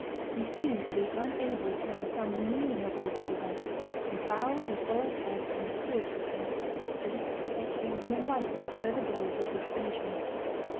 He seemed to be unable to understand the meaning of all these events, and bowed his old head in a spiritual sense as if expecting and inviting further blows which would finish him.